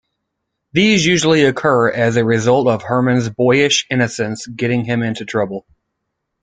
These usually occur as a result of Herman's boyish innocence getting him into trouble.